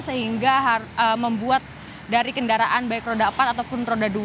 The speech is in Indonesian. sehingga membuat dari kendaraan baik roda empat ataupun roda dua